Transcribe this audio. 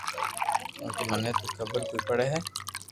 ڪونڪھ مني تو خبر ڪوئي پڙي ھي